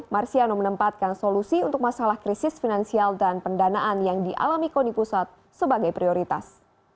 marsiano menempatkan solusi untuk masalah krisis finansial dan pendanaan yang dialami koni pusat sebagai prioritas